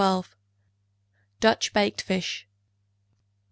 Dutch Baked Fish.